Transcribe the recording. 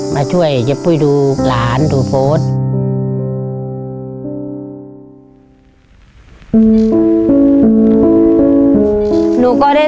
มาช่วยเจ้าปุ้ยดูหลานถูกโพธิ